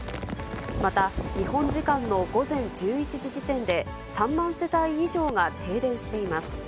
また、日本時間の午前１１時時点で３万世帯以上が停電しています。